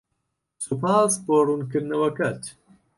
سوپاس بۆ ڕوونکردنەوەکەت.